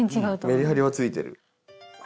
メリハリはついてる。